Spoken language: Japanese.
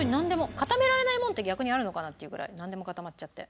固められないものって逆にあるのかなっていうぐらいなんでも固まっちゃって。